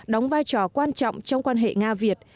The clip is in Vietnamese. đóng vai trò quan trọng trong quan hệ nga việt